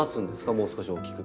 もう少し大きく。